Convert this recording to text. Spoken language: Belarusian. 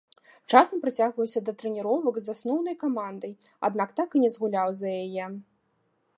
Часам прыцягваўся да трэніровак з асноўнай камандай, аднак так і не згуляў за яе.